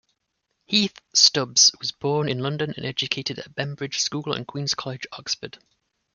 Heath-Stubbs was born in London, and educated at Bembridge School and Queen's College, Oxford.